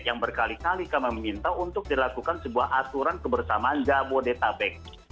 yang berkali kali kami meminta untuk dilakukan sebuah aturan kebersamaan jabodetabek